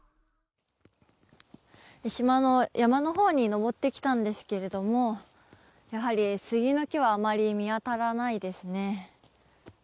島の山のほうに登ってきたんですがやはりスギの木はあまり見当たらないですね。